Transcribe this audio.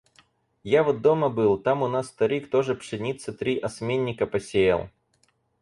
Я вот дома был, там у нас старик тоже пшеницы три осминника посеял.